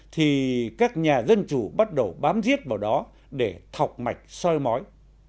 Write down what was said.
thì các nhà dân chủ bắt đầu bám giết vào đó để thọc mạch soi mói